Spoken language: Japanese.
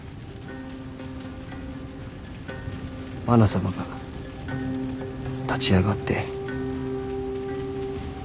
まな様が立ち上がって。